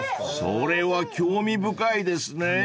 ［それは興味深いですね］